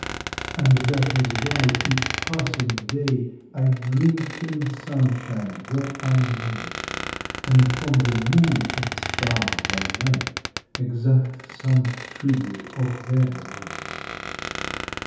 And that is why each passing day I drink in sunshine where I may, And from the Moon and Stars by night Exact some tribute of their light.